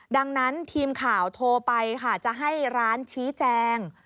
ดังนั้นทีมข่าวโทรไปค่ะจะให้ร้านชี้แจง